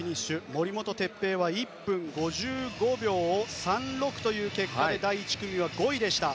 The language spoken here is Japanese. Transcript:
森本哲平は１分５５秒３６という結果で第１組の５位でした。